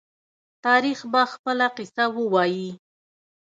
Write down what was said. تاریخ به خپله قصه ووايي.